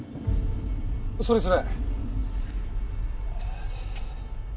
それそれ。